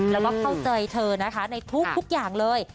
แล้วก็เข้าใจเธอนะคะในทุกอย่างเลย